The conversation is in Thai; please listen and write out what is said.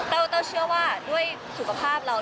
เราเชื่อว่าด้วยสุขภาพเรา